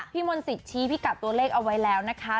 พี่มลศิษย์ชี้พิกับตัวเลขเอาไว้แล้วนะคะ